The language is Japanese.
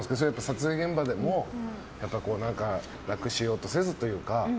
撮影現場でも楽しようとせずというか。